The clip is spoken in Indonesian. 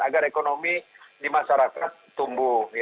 agar ekonomi di masyarakat tumbuh